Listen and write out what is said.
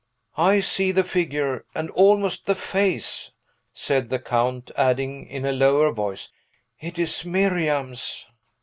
"I see the figure, and almost the face," said the Count; adding, in a lower voice, "It is Miriam's!"